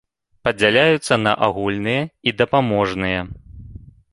Падзяляюцца на агульныя і дапаможныя.